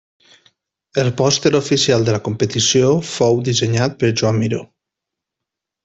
El pòster oficial de la competició fou dissenyat per Joan Miró.